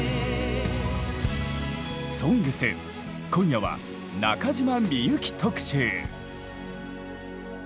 「ＳＯＮＧＳ」今夜は中島みゆき特集。